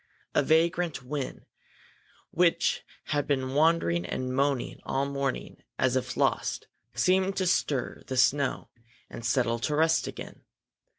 A vagrant wind, which had been wandering and moaning all morning as if lost, seemed to stir the snow and settle to rest again.